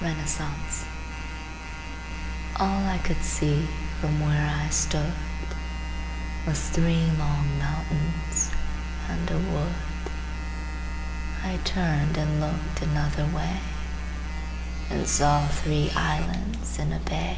Renascence ALL I could see from where I stoodWas three long mountains and a wood;I turned and looked the other way, And saw three islands in a bay.